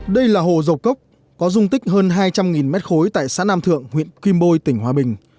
đây là hồ dầu cốc có dung tích hơn hai trăm linh m ba tại xã nam thượng huyện kim bôi tỉnh hòa bình